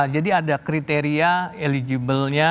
jadi ada kriteria eligiblenya